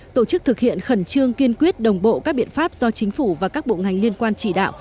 tổ chức thực hiện khẩn trương kiên quyết đồng bộ các biện pháp do chính phủ và các bộ ngành liên quan chỉ đạo